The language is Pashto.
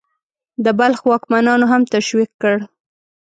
د بلخ واکمنانو هم تشویق کړ.